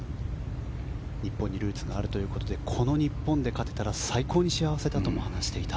日本にルーツがあるということでこの日本で勝てたら最高の幸せだとも話していた。